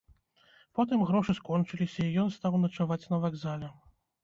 Потым грошы скончыліся і ён стаў начаваць на вакзале.